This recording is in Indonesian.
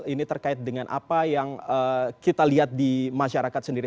ini terkait dengan apa yang kita lihat di masyarakat sendiri